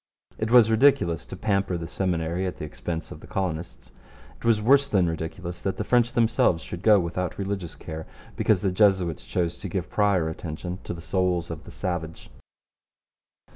It was ridiculous to pamper the Seminary at the expense of the colonists. It was worse than ridiculous that the French themselves should go without religious care because the Jesuits chose to give prior attention to the souls of the savage.